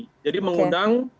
oke jadi mengundang